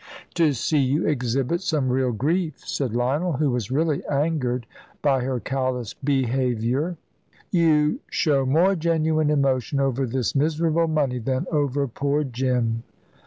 "To see you exhibit some real grief," said Lionel, who was really angered by her callous behaviour. "You show more genuine emotion over this miserable money than over poor Jim."